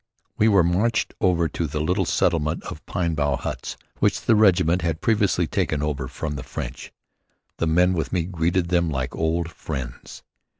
We were marched over to the little settlement of pine bough huts which the regiment had previously taken over from the French. The men with me greeted them like old friends.